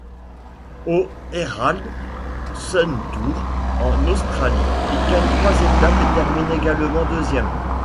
Au Herald Sun Tour, en Australie, il gagne trois étapes et termine également deuxième.